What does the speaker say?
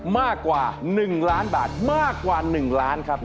มากกว่า๑ล้านบาทมากกว่า๑ล้านครับ